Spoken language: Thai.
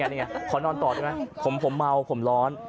นี่ไงขอนอนต่อได้ไหมผมเมาผมร้อน